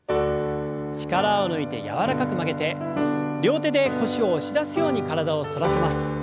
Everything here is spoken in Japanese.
力を抜いて柔らかく曲げて両手で腰を押し出すように体を反らせます。